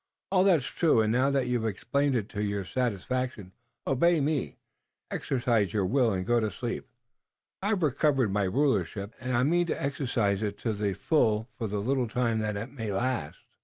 "All that's true, and now that you've explained it to your satisfaction, you obey me, exercise your will and go to sleep. I've recovered my rulership, and I mean to exercise it to the full for the little time that it may last."